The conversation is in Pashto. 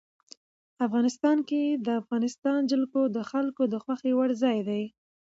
افغانستان کې د افغانستان جلکو د خلکو د خوښې وړ ځای دی.